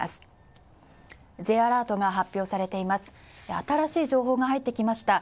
新しい情報が入ってきました。